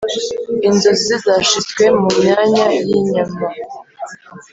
inzozi ze zashizwe mumyanya yinyama.